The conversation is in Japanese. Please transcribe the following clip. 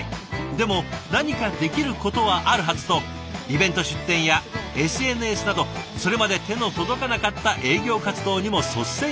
でも何かできることはあるはずとイベント出展やＳＮＳなどそれまで手の届かなかった営業活動にも率先して挑戦。